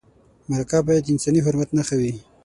مرکه باید د انساني حرمت نښه وي.